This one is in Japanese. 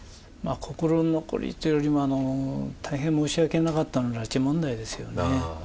心残りというよりも、大変申し訳なかったのは拉致問題ですよね。